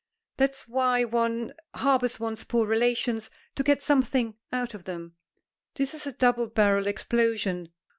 "That's why one harbors one's poor relations to get something out of them." This is a double barrelled explosion.